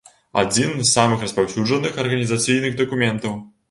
Адзін з самых распаўсюджаных арганізацыйных дакументаў.